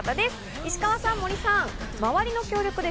石川さんと森さん。